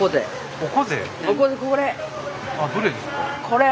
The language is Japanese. これ。